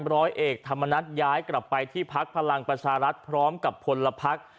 ร้อยเอกธรรมนัฐย้ายกลับไปที่พักพลังประชารัฐพร้อมกับพลพัก